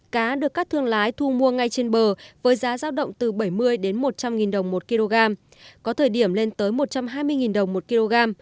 cá được các thương lái thu mua ngay trên bờ với giá giao động từ bảy mươi đến một trăm linh đồng một kg có thời điểm lên tới một trăm hai mươi đồng một kg